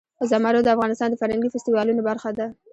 زمرد د افغانستان د فرهنګي فستیوالونو برخه ده.